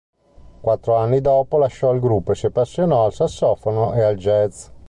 Quattro anni dopo lasciò il gruppo e si appassionò al sassofono e al jazz.